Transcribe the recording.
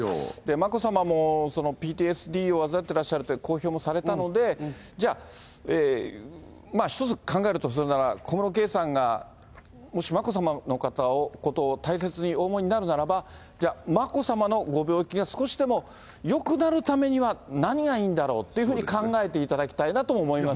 眞子さまもＰＴＳＤを患ってらっしゃるって、公表もされたので、じゃあ、一つ考えるとするなら、小室圭さんがもし眞子さまのことを大切にお思いになるならば、じゃあ、眞子さまのご病気が少しでもよくなるためには、何がいいんだろうというふうに考えていただきたいなとも思います